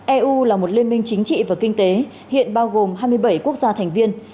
eu là một liên minh chính trị và kinh tế hiện bao gồm hai mươi bảy quốc gia thành viên